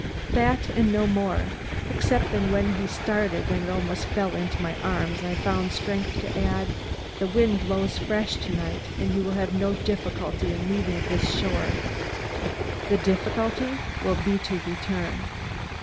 That, and no more; except that when he started and almost fell into my arms, I found strength to add: "The wind blows fresh to night; you will have no difficulty in leaving this shore. The difficulty will be to return."